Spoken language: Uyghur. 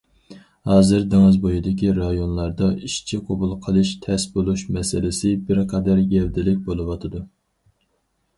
ھازىر دېڭىز بويىدىكى رايونلاردا ئىشچى قوبۇل قىلىش تەس بولۇش مەسىلىسى بىر قەدەر گەۋدىلىك بولۇۋاتىدۇ.